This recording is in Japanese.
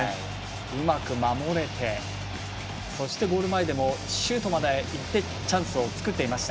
うまく守れてそしてゴール前でもシュートまでいってチャンスは作れていました。